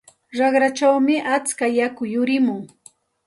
Raqrachawmi atska yaku yurimun.